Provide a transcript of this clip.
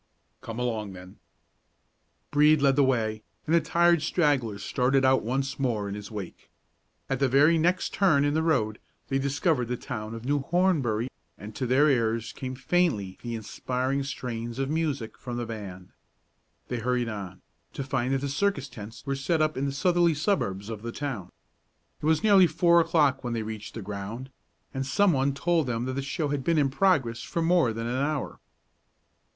"Come along, then!" Brede led the way, and the tired stragglers started out once more in his wake. At the very next turn in the road they discovered the town of New Hornbury, and to their ears came faintly the inspiring strains of music from the band. They hurried on, to find that the circus tents were set up in the southerly suburbs of the town. It was nearly four o'clock when they reached the ground, and some one told them that the show had been in progress for more than an hour.